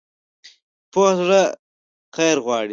پوخ زړه خیر غواړي